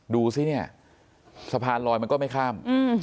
ดูสิเนี่ยสะพานลอยมันก็ไม่ข้าม